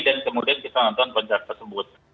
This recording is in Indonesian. dan kemudian kita nonton penjualan tersebut